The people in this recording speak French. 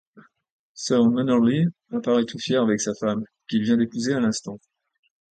Sir Mannerly apparaît tout fier avec sa femme, qu'il vient d'épouser à l'instant.